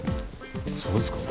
そうですか？